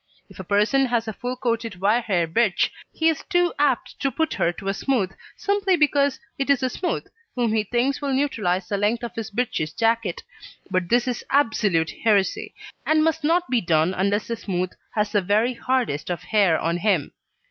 If a person has a full coated wire hair bitch he is too apt to put her to a smooth simply because it is a smooth, whom he thinks will neutralise the length of his bitch's jacket, but this is absolute heresy, and must not be done unless the smooth has the very hardest of hair on him.